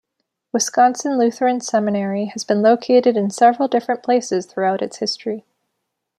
Wisconsin Lutheran Seminary has been located in several different places throughout its history.